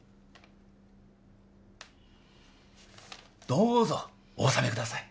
どうぞお納めください。